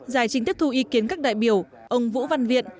giải chính thức thu ý kiến các đại biểu ông vũ văn viện